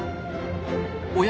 おや？